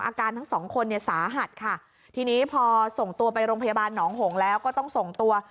อาการทั้งสองคนเนี่ยสาหัสค่ะทีนี้พอส่งตัวไปโรงพยาบาลหนองหงแล้วก็ต้องส่งตัว